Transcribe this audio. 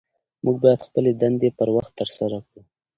موږ باید خپلې دندې پر وخت ترسره کړو